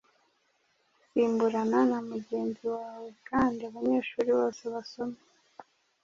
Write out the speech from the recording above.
usimburana na mugenzi wawe kandi abanyeshuri bose basome.